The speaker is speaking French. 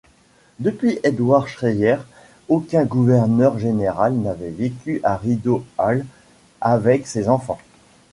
Depuis Edward Schreyer, aucun gouverneur général n'avait vécu à Rideau Hall avec ses enfants.